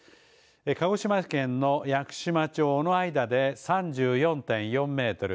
鹿児島県の屋久島町尾之間で３４．４メートル